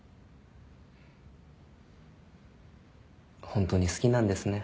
ホントに好きなんですね。